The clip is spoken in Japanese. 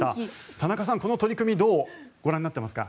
田中さん、この取り組みどうご覧になっていますか？